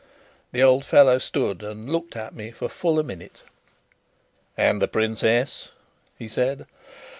The old fellow stood and looked at me for full a minute. "And the princess?" he said.